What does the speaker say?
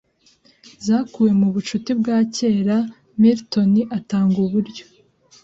zakuwe mubucuti bwa kera Milton atanga uburyo